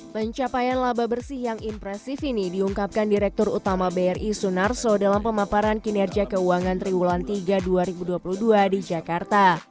pencapaian laba bersih yang impresif ini diungkapkan direktur utama bri sunarso dalam pemaparan kinerja keuangan triwulan tiga dua ribu dua puluh dua di jakarta